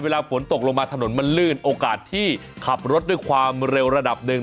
เวลาฝนตกลงมาถนนมันลื่นโอกาสที่ขับรถด้วยความเร็วระดับหนึ่ง